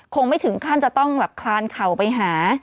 คงไม่ถึงขั้นจะต้องแบบคลานเข่าไปหา